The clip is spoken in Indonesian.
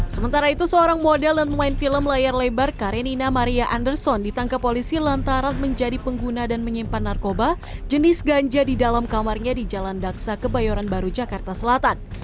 sementara itu seorang model dan pemain film layar lebar karenina maria anderson ditangkap polisi lantaran menjadi pengguna dan menyimpan narkoba jenis ganja di dalam kamarnya di jalan daksa kebayoran baru jakarta selatan